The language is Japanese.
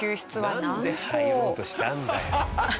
なんで入ろうとしたんだよ？